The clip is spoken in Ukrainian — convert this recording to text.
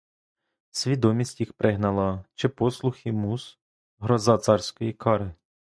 Свідомість їх пригнала чи послух і мус, гроза царської кари?